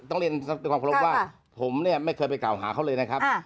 ต้องเรียนความพร้อมว่าผมไม่เคยไปกล่าวหาเขาเลยนะครับ